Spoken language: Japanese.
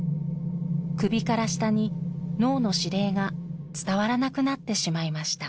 首から下に脳の指令が伝わらなくなってしまいました。